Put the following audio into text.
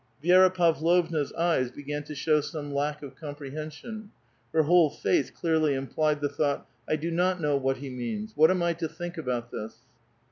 Vi^ra Pavlovna's eyes began to show some lack of com prehension; her whole face clearly implied the thought, '• I do not know wliat he means ! what am I to think about this?"